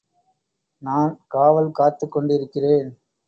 நான் காவல் காத்துக் கொண்டிருக்கிறேன்.